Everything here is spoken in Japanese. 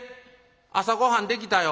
朝ごはんできたよ。